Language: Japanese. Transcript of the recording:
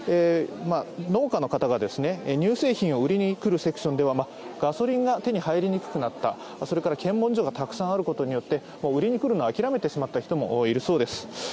農家の方が乳製品を売りに来るセクションではガソリンが手に入りにくくなったそれから検問所がたくさんあることによって売りにくるのを諦めてしまった人もいるそうです。